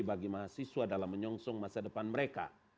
bagi mahasiswa dalam menyongsong masa depan mereka